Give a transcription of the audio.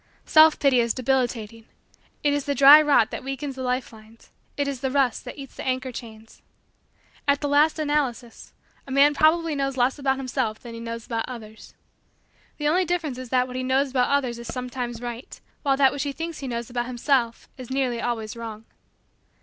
Self pity is debilitating. It is the dry rot that weakens the life lines. It is the rust that eats the anchor chains. At the last analysis, a man probably knows less about himself than he knows about others. The only difference is that what he knows about others is sometimes right while that which he thinks he knows about himself is nearly always wrong.